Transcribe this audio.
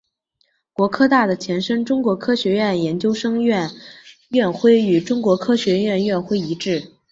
国科大的前身中国科学院研究生院院徽与中国科学院院徽一致。